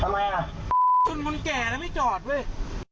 มึงยดสูงเกินไปเลยนะครับ